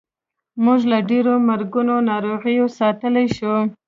موږ له ډېرو مرګونو ناروغیو ساتلی شو.